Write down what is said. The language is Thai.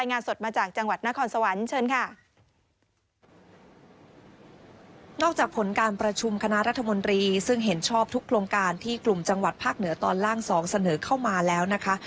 นอกจากผลการประชุมคณะรัฐมนตรีซึ่งเห็นชอบทุกโครงการที่กลุ่มจังหวัดภาคเหนือตอนล่าง๒เสนอเข้ามาแล้วนะคะ